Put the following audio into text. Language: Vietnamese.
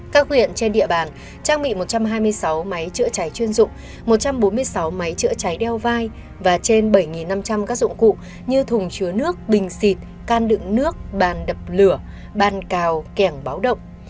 các huyện trên địa bàn trang bị một trăm hai mươi sáu máy chữa cháy chuyên dụng một trăm bốn mươi sáu máy chữa cháy đeo vai và trên bảy năm trăm linh các dụng cụ như thùng chứa nước bình xịt can đựng nước bàn đập lửa bàn cào kẻng báo động